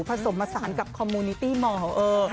ผสมผสานกับคอมมูนิตี้มอร์ของเออ